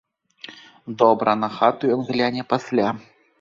Добра, на хату ён гляне пасля.